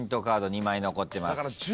カード２枚残ってます。